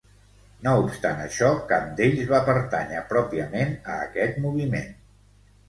No obstant això, cap d'ells va pertànyer pròpiament a aquest moviment.